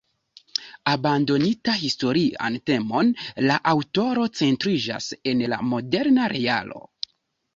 Abandoninta historian temon, la aŭtoro centriĝas en la moderna realo.